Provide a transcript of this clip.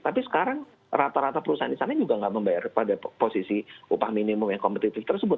tapi sekarang rata rata perusahaan di sana juga nggak membayar pada posisi upah minimum yang kompetitif tersebut